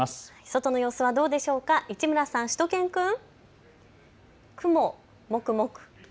外の様子はどうでしょうか、市村さん、しゅと犬くん。